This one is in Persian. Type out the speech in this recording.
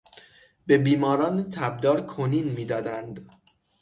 به بیماران تبدار کنین میدادند.